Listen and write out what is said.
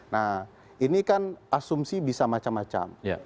nah ini kan asumsi bisa macam macam